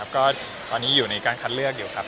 ก็ตอนนี้อยู่ในการคัดเลือกอยู่ครับ